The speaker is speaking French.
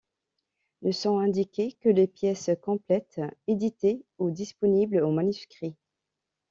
Ne sont indiquées que les pièces complètes, éditées ou disponibles en manuscrit.